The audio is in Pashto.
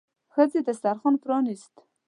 ښځې دسترخوان پرانيست.